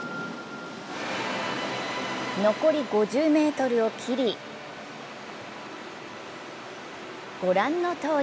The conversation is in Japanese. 残り５０ｍを切り、ご覧のとおり。